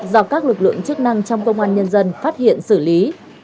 do các lực lượng chức năng trong công an nhân dân phát hiện xử lý